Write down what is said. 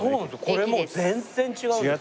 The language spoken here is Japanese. これもう全然違うでしょ？